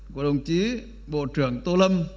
của đồng chí bộ trưởng tô lâm